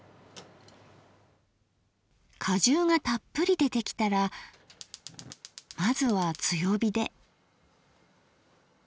果汁がたっぷり出てきたらまずは強火で。